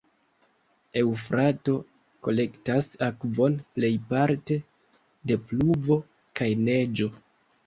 Eŭfrato kolektas akvon plejparte de pluvo kaj neĝo.